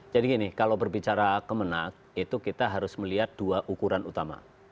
jadi gini kalau berbicara kemenak itu kita harus melihat dua ukuran utama